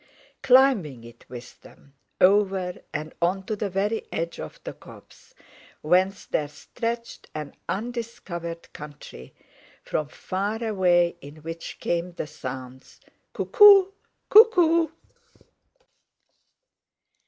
Climbing it with them, over, and on to the very edge of the copse, whence there stretched an undiscovered country, from far away in which came the sounds, "Cuckoo cuckoo!"